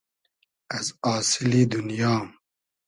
از آسیلی دونیا